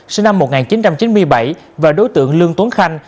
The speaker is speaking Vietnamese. sinh năm một nghìn chín trăm chín mươi bảy và đối tượng lương tuấn khanh